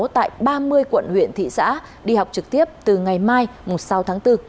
tại ba mươi quận huyện thị xã đi học trực tiếp từ ngày mai sáu tháng bốn